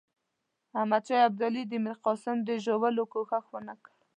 احمدشاه ابدالي د میرقاسم د ژغورلو کوښښ ونه کړ.